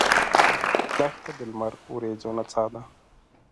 دښته د لمر وریځو نڅا ده.